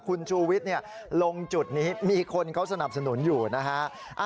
คุณชูวิทย์ลงจุดนี้มีคนเขาสนับสนุนอยู่นะฮะ